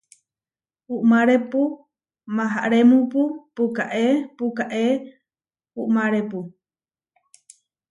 Uʼmárepu maharémupu puʼkáe puʼkáe uʼmárepu.